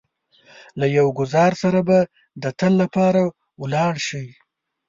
له يو ګوزار سره به د تل لپاره ولاړ شئ.